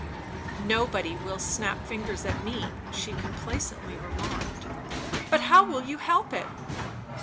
"Nobody will snap fingers at me," she complacently remarked. "But how will you help it?"